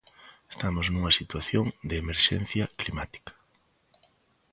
Estamos nunha situación de emerxencia climática.